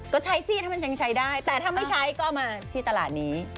ก็ใช้สิถ้ามันยังใช้ได้แต่ถ้าไม่ใช้ก็เอามาที่ตลาดนี้